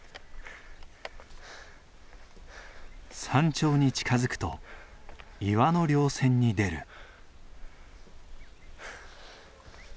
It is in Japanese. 山頂に近づくと岩の稜線に出る。